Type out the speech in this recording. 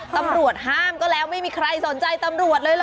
ตำรวจห้ามก็แล้วไม่มีใครสนใจตำรวจเลยเหรอ